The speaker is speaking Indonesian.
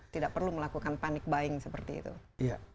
tidak perlu melakukan panic buying seperti itu